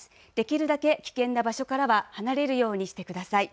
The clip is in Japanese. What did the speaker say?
できるだけ危険な場所からは離れるようにしてください。